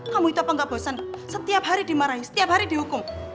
kamu itu apa nggak bosan setiap hari dimarahi setiap hari dihukum